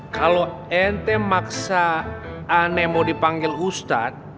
kalo ente maksa aneh mau dipanggil ustad